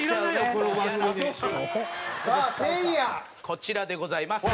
こちらでございます。